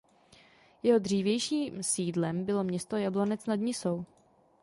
Jeho dřívějším sídlem bylo město Jablonec nad Nisou.